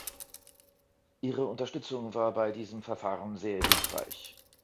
Ihre Unterstützung war bei diesem Verfahren sehr hilfreich.